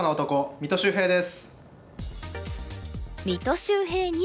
三戸秀平です。